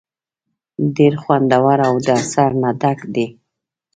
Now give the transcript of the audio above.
ډېر خوندور او د اثر نه ډک دے ۔